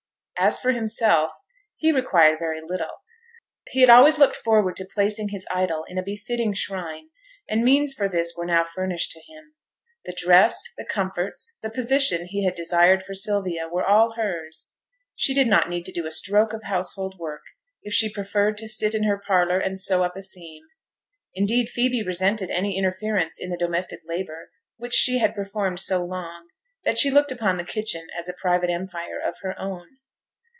As for himself he required very little; but he had always looked forward to placing his idol in a befitting shrine; and means for this were now furnished to him. The dress, the comforts, the position he had desired for Sylvia were all hers. She did not need to do a stroke of household work if she preferred to 'sit in her parlour and sew up a seam'. Indeed Phoebe resented any interference in the domestic labour, which she had performed so long, that she looked upon the kitchen as a private empire of her own.